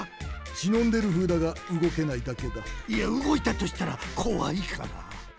しのんでるふうだがうごけないだけだいやうごいたとしたらこわいから！